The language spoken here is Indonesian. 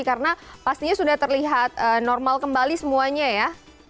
karena pastinya sudah terlihat normal kembali semuanya ya